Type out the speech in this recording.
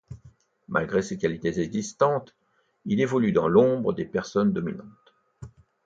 Malgré ses qualités existantes, il évolue dans l'ombre des personnes dominantes.